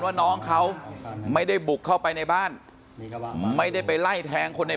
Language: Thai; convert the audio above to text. ว่าน้องเขาไม่ได้บุกเข้าไปในบ้านไม่ได้ไปไล่แทงคนใน